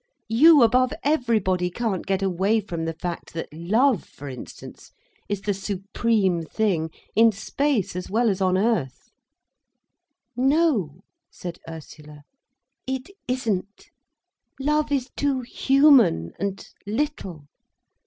You above everybody can't get away from the fact that love, for instance, is the supreme thing, in space as well as on earth." "No," said Ursula, "it isn't. Love is too human and little.